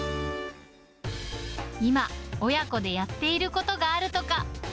今、親子でやっていることがあるとか。